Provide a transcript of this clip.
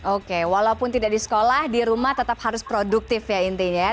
oke walaupun tidak di sekolah di rumah tetap harus produktif ya intinya ya